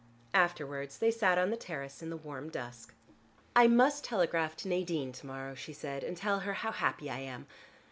Afterwards, they sat on the terrace in the warm dusk. "I must telegraph to Nadine to morrow," she said, "and tell her how happy I am.